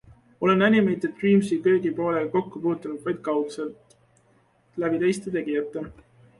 Olen Animated Dreamsi köögipoolega kokku puutunud vaid kaudselt, läbi teiste tegijate.